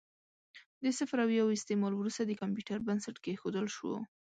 د صفر او یو استعمال وروسته د کمپیوټر بنسټ کېښودل شو.